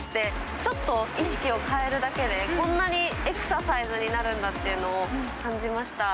ちょっと意識を変えるだけで、こんなにエクササイズになるんだっていうのを感じました。